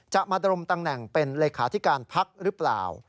จะมาดมตำแหน่งเป็นเลขาธิการพักหรือเปล่า